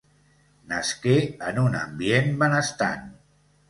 Nasqué en un ambient benestant.